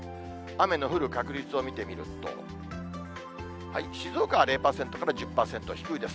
雨の降る確率を見てみると、静岡は０％から１０％、低いです。